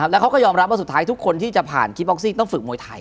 แล้วเขาก็ยอมรับว่าสุดท้ายทุกคนที่จะผ่านคิปบ็อกซิ่งต้องฝึกมวยไทย